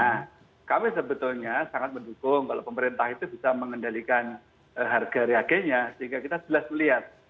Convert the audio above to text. nah kami sebetulnya sangat mendukung kalau pemerintah itu bisa mengendalikan harga reagennya sehingga kita jelas melihat